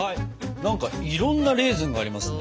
何かいろんなレーズンがありますね。